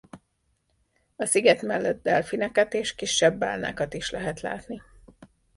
A sziget mellett delfineket és kisebb bálnákat is lehet látni.